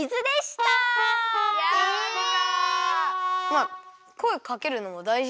まあこえかけるのも大事だから。